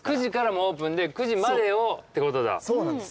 そうなんですよ。